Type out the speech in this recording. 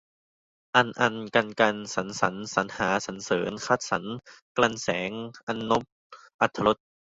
อัน อรร กัน กรร สัน สรร สรรหา สรรเสริญ คัดสรร กรรแสง อรรณพ อรรถรส